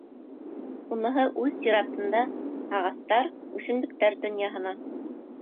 Уныһы үҙ сиратында — ағастар, үҫемлектәр донъяһына.